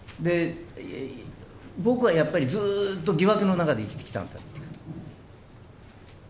僕はやっぱり、ずっと疑惑の中で生きてきたんで。